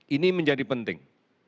ini menjadi penting